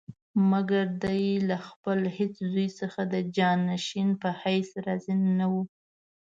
مګر دی له خپل هېڅ زوی څخه د جانشین په حیث راضي نه وو.